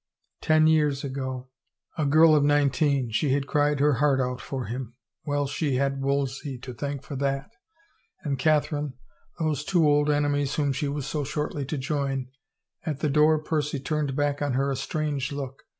Ten years ago, a girl of nineteen, she had cried her heart out for him. Well, she had Wolsey to thank for that, and Catherine, those two old enemies whom she was so shortly to join. ... At the door Percy turned back on her a strange look.